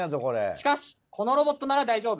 しかしこのロボットなら大丈夫。